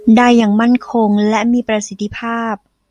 ได้อย่างมั่นคงและมีประสิทธิภาพ